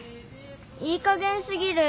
いいかげんすぎる！